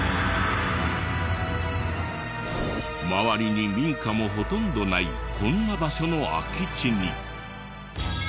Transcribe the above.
周りに民家もほとんどないこんな場所の空き地に。